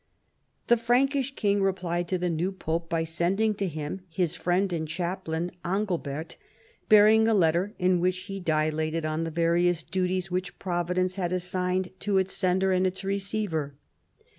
The Frankish king replied to the new pope by sending to him his friend and chaplain Angilbert, bearing a letter in which he dilated on the various duties which Providence had assigned to its sender and its receiver.